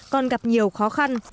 còn gặp nhiều khó khăn